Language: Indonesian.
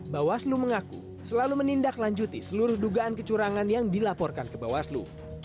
bawaslu mengaku selalu menindaklanjuti seluruh dugaan kecurangan yang dilaporkan ke bawaslu